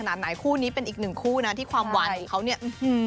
ไม่เป็นสองรองทราย